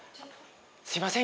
すいません